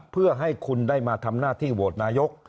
เพื่อให้คุณได้มาทำหน้าที่โหวตนายก